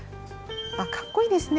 かっこいいですね。